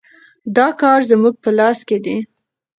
دا کار زموږ په لاس کې دی.